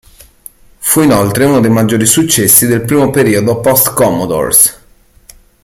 Fu inoltre uno dei maggiori successi del primo periodo post-Commodores.